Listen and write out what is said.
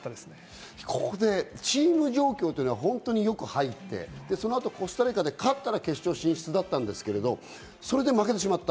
チーム状況は本当によく入って、コスタリカで勝ったら決勝進出だったんですけど、それで負けてしまった。